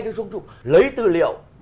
lấy tư liệu